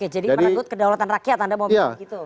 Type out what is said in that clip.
jadi menurut kedaulatan rakyat anda mau bilang begitu